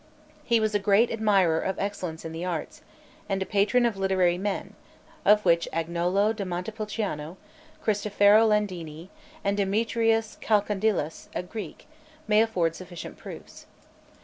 He was a great admirer of excellence in the arts, and a patron of literary men, of which Agnolo da Montepulciano, Cristofero Landini, and Demetrius Chalcondylas, a Greek, may afford sufficient proofs.